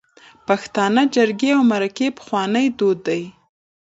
پښتانه جرګی او مرکی پخواني دود ده